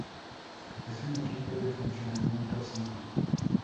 Es un equipo de funcionamiento simple.